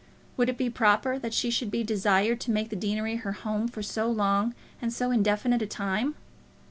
Would it be proper that she should be desired to make the deanery her home for so long and so indefinite a time?